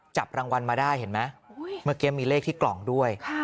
จับรางวัลมาได้เห็นไหมเมื่อกี้มีเลขที่กล่องด้วย